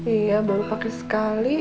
iya baru pake sekali